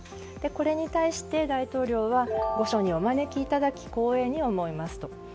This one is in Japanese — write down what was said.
これに対して、大統領は御所にお招きいただき光栄に思いますと。